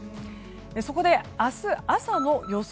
そこで、明日朝の予想